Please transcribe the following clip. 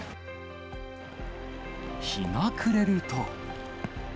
日が暮れると。